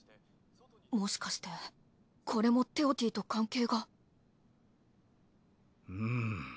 もしかしてこれもテオティと関係がうむ。